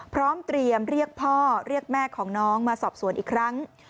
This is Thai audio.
พร้อมเตรียมเรียกพ่อเรียกแม่ของน้องมาสอบสวนอีกครั้ง